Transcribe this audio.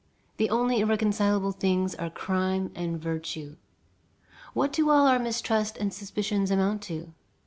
The only irreconcilable things are crime and virtue. What do all our mistrust and suspicions amount to?